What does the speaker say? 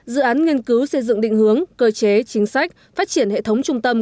dự án nghiên cứu xây dựng định hướng cơ chế chính sách phát triển hệ thống trung tâm